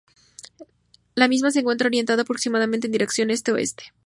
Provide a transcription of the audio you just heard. La misma se encuentra orientada aproximadamente en dirección Este-Oeste.